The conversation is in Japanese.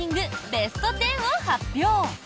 ベスト１０を発表！